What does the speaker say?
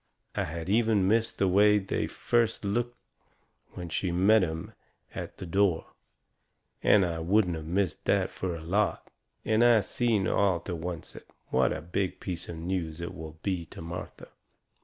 I had even missed the way they first looked when she met 'em at the door, and I wouldn't of missed that fur a lot. And I seen all to oncet what a big piece of news it will be to Martha.